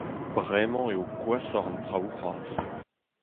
Bremañ eo gwashoc'h an traoù c'hoazh.